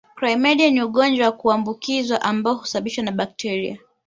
Klamidia ni ugonjwa wa kuambukiza ambao husababishwa na bakteria